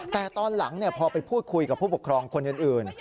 แต่ตอนหลังพอไปพูดคุยกับผู้ปกครองคนอื่น